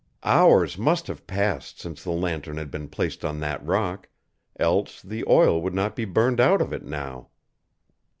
Hours must have passed since the lantern had been placed on that rock, else the oil would not be burned out of it now!